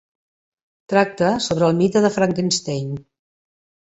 Tracta sobre el mite de Frankenstein.